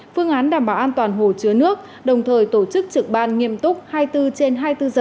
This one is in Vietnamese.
phương án đảm bảo an toàn hồ chứa nước đồng thời tổ chức trực ban nghiêm túc hai mươi bốn trên hai mươi bốn giờ